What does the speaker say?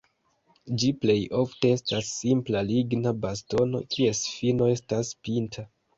Ĝi plej ofte estas simpla ligna bastono, kies fino estas pinta.